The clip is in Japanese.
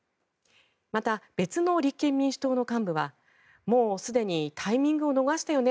また、別の立憲民主党の幹部はもうすでにタイミングを逃したよね